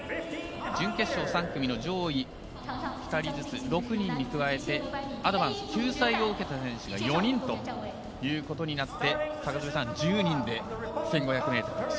準決勝、３組の上位２人ずつ、６人に加えてアドバンス、救済を受けた選手が４人ということになって１０人で１５００ｍですね。